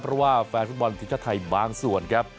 เพราะว่าแฟนฟุตบอลทีมชาติไทยบางส่วนครับ